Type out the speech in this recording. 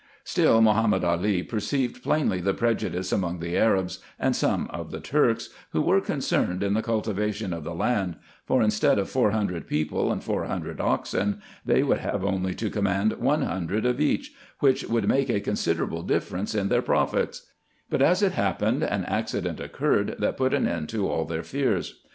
Still Ma hommed Ali perceived plainly the prejudice among the Arabs, and some of the Turks, who were concerned in the cultivation of the land ; for instead of four hundred people, and four hundred oxen, they would have only to command one hundred of each, which would make a considerable difference in their profits : but, as it happened, an accident occurred, that put an end to all their fears.